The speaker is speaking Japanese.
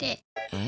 え？